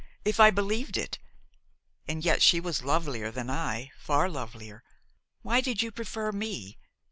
If I believed it! And yet she was lovelier than I, far lovelier! Why did you prefer me?